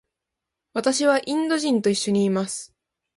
私はインド人と一緒にいます。